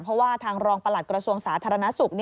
เพราะว่าทางรองประหลัดกระทรวงสาธารณสุข